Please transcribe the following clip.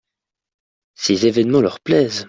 Ces évènements leur plaisaient.